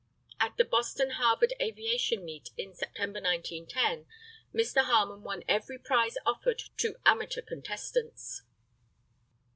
At the Boston Harvard aviation meet, in September, 1910, Mr. Harmon won every prize offered to amateur contestants.